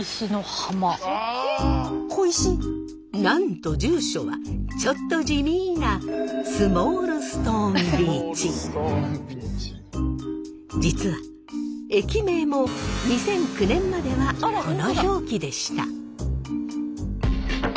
なんと住所はちょっと地味な実は駅名も２００９年まではこの表記でした。